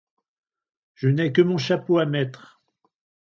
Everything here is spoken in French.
Je n'ai que mon chapeau à mettre.